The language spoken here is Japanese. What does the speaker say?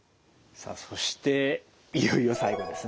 さあそしていよいよ最後ですね。